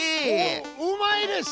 うまいです！